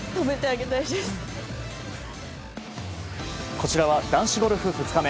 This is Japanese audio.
こちらは男子ゴルフ２日目。